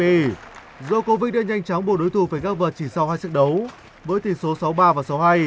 djokovic đã nhanh chóng buộc đối thủ phải gác vợt chỉ sau hai chiếc đấu với tỷ số sáu ba và sáu hai